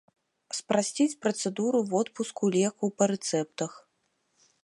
Спрасціць працэдуру водпуску лекаў па рэцэптах.